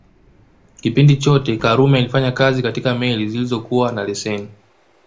Kipindi chote Karume alifanya kazi katika meli zilizokuwa na leseni